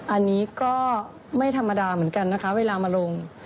อันนี้ก็ไม่ธรรมดาเหมือนกันนะคะเวลามาลง